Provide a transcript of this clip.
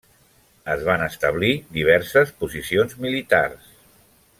Es van establir diverses posicions militars.